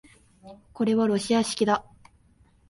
これはロシア式だ